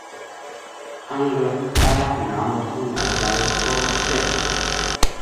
Aŋglak ala nàambafaŋ naazala okko cek.